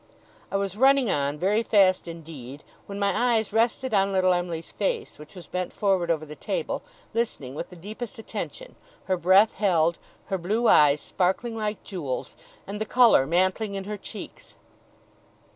I was running on, very fast indeed, when my eyes rested on little Em'ly's face, which was bent forward over the table, listening with the deepest attention, her breath held, her blue eyes sparkling like jewels, and the colour mantling in her cheeks.